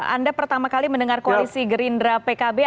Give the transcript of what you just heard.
anda pertama kali mendengar koalisi gerindra pkb